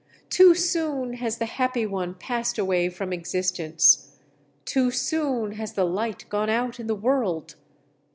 Too soon has the Happy One passed away from existence! Too soon has the Light gone out in the world!"